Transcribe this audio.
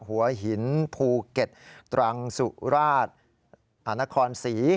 หัวหินภูเก็ตตรังสุราชอานครศรี